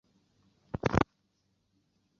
魔女阵营荷丽歌恩一族